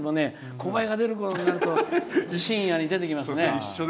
コバエが出るころになると深夜に出てきますね。